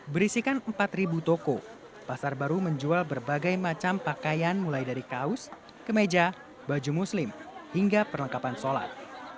berisikan empat toko pasar baru menjual berbagai macam pakaian mulai dari kaos kemeja baju muslim hingga perlengkapan sholat